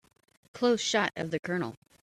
Close shot of the COLONEL.